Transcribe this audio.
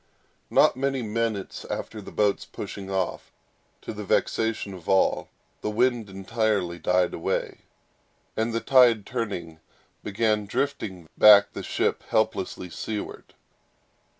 Not many minutes after the boat's pushing off, to the vexation of all, the wind entirely died away, and the tide turning, began drifting back the ship helplessly seaward.